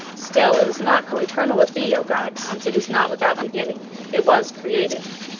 Still, it is not coeternal with thee, O God, since it is not without beginning it was created. 20.